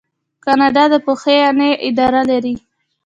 کاناډا د پوهنې اداره لري.